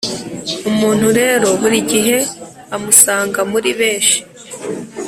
umuntu rero burigihe amusanga muri mesh